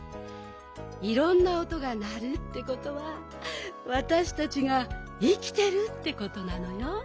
いろんなおとがなるってことはわたしたちがいきてるってことなのよ。